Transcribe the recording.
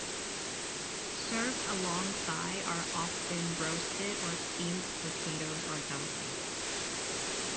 Served alongside are often roasted or steamed potatoes or dumplings.